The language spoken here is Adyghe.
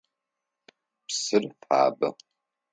Псыр фабэ.